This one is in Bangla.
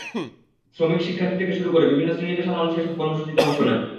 শ্রমিক, শিক্ষার্থী থেকে শুরু করে বিভিন্ন শ্রেণি-পেশার মানুষ এসব কর্মসূচিতে অংশ নেন।